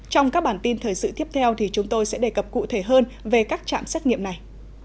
trong các bản tin thời sự tiếp theo thì chúng tôi sẽ đề cập cụ thể hơn về các trạm xét nghiệm này